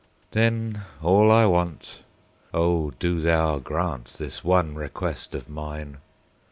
Then all I want—O do Thou grantThis one request of mine!